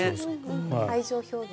愛情表現。